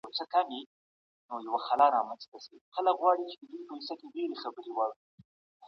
ستاسو ذهن به د نوښتونو سرچینه وي.